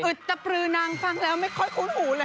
คือตะปรือนางฟังแล้วไม่ค่อยคุ้นหูเลย